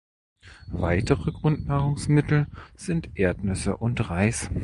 Weitere Grundnahrungsmittel sind Erdnüsse und Reis.